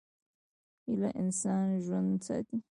هیله انسان ژوندی ساتي.